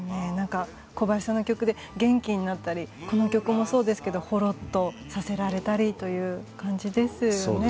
小林さんの曲で元気になったりほろっとさせられたりという感じですよね。